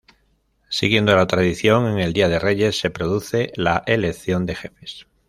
Siguiendo la tradición en el día de Reyes se produce la elección de Jefes.